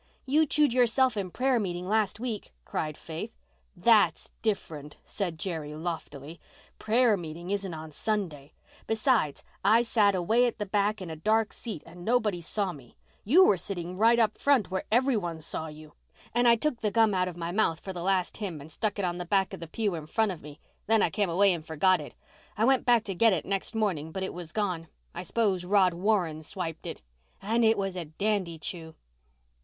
"You chewed yourself in prayer meeting last week," cried Faith. "that's different," said Jerry loftily. "Prayer meeting isn't on Sunday. Besides, I sat away at the back in a dark seat and nobody saw me. You were sitting right up front where every one saw you. And I took the gum out of my mouth for the last hymn and stuck it on the back of the pew right up in front where every one saw you. Then I came away and forgot it. I went back to get it next morning, but it was gone. I suppose Rod Warren swiped it. And it was a dandy chew."